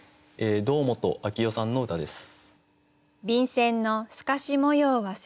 堂本明代さんの歌です。